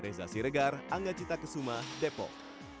reza siregar angga cita kesuma depok